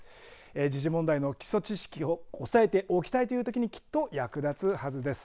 時事問題の基礎知識を押さえておきたいというときにきっと役立つはずです。